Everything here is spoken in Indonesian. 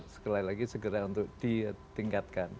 sekali lagi segera untuk ditingkatkan